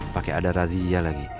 pakai ada razia lagi